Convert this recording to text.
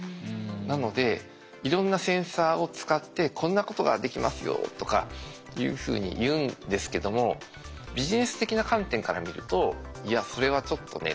なのでいろんなセンサーを使ってこんなことができますよとかいうふうに言うんですけどもビジネス的な観点から見るといやそれはちょっとね。